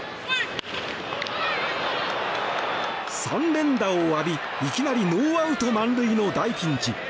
３連打を浴び、いきなりノーアウト満塁の大ピンチ。